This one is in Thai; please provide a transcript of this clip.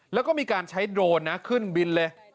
แล้วก็มีการใช้โดรนนะขึ้นบินเลย